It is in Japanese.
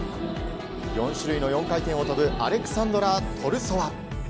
４種類の４回転を跳ぶアレクサンドラ・トルソワ。